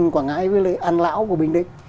quảng ngãi với lễ ăn lão của mình đấy